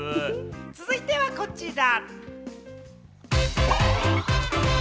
続いてはこちら。